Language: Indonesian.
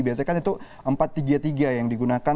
biasanya kan itu empat tiga tiga yang digunakan